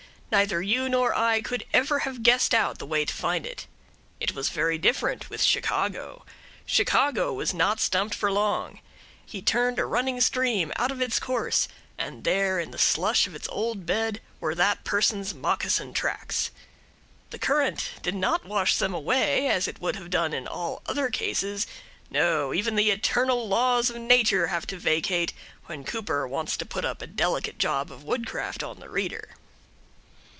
Neither you nor I could ever have guessed out the way to find it. It was very different with Chicago. Chicago was not stumped for long. He turned a running stream out of its course, and there, in the slush in its old bed, were that person's moccasin tracks. The current did not wash them away, as it would have done in all other like cases no, even the eternal laws of Nature have to vacate when Cooper wants to put up a delicate job of woodcraft on the reader.